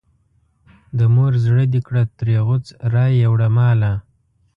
د مور زړه دې کړه ترې غوڅ رایې وړه ماله.